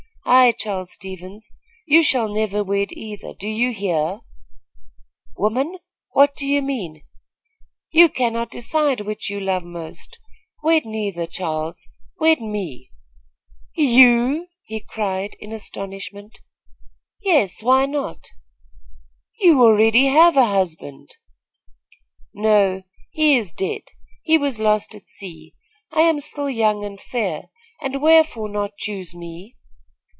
"Aye, Charles Stevens, you shall never wed either. Do you hear?" [Illustration: "Which of the twain shall it be?"] "Woman, what mean you?" "You cannot decide which you love most. Wed neither, Charles. Wed me!" "You!" he cried, in astonishment. "Yes, why not?" "You already have a husband." "No; he is dead, he was lost at sea. I am still young and fair, and wherefore not choose me?"